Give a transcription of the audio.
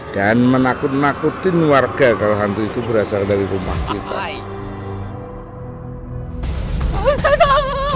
dan menakut nakutin warga kalau hantu itu berasal dari rumah kita